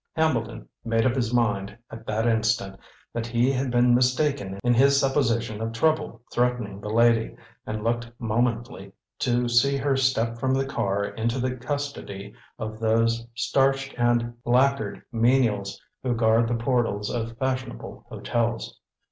Hambleton made up his mind at that instant that he had been mistaken in his supposition of trouble threatening the lady, and looked momently to see her step from the car into the custody of those starched and lacquered menials who guard the portals of fashionable hotels.